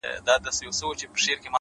• را تاو سوی لکه مار پر خزانه وي ,